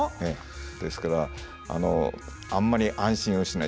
ですからあんまり安心をしない。